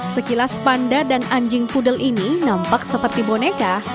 sekilas panda dan anjing pudel ini nampak seperti boneka